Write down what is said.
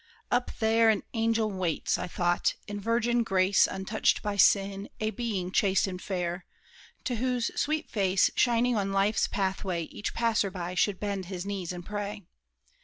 "Up there an angel waits," I thought, "in virgin grace, Untouched by sin—a being chaste and fair, To whose sweet face shining on life's pathway Each passer by should bend his knees and pray.